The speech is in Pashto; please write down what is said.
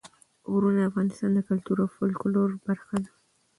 غرونه د افغانستان د کلتور او فولکلور برخه ده.